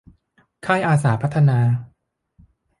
ค่ายอาสาพัฒนา